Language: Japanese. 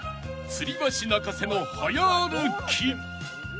［つり橋泣かせのはや歩き］